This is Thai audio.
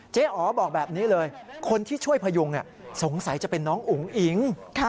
อ๋อบอกแบบนี้เลยคนที่ช่วยพยุงสงสัยจะเป็นน้องอุ๋งอิ๋ง